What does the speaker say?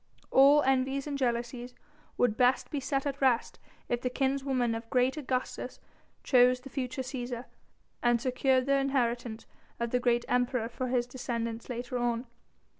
All envies and jealousies would best be set at rest if the kinswoman of great Augustus chose the future Cæsar, and secured the inheritance of the great Emperor for his descendants later on.